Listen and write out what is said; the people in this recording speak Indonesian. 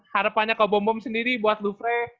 harapannya kok bom bom sendiri buat lufrey